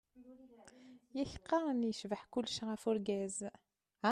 Yak qqaren yecbeḥ kulec ɣef urgaz.